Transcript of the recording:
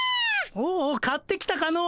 おお買ってきたかの。